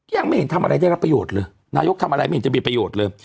ยังไม่เห็นทำอะไรได้รับประโยชน์เลยนายกทำอะไรไม่เห็นจะมีประโยชน์เลย